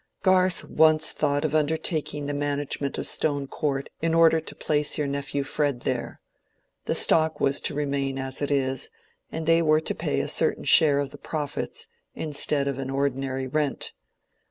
"Garth once thought of undertaking the management of Stone Court in order to place your nephew Fred there. The stock was to remain as it is, and they were to pay a certain share of the profits instead of an ordinary rent.